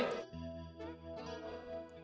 lo sudah tanya